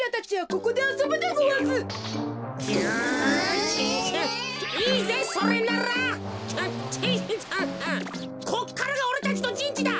こっからがおれたちのじんちだ。